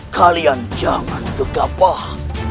kalian jangan degapah